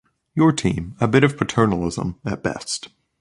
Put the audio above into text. Your team. A bit of paternalism, at best.